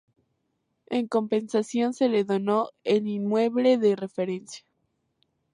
En compensación se le donó el inmueble de referencia.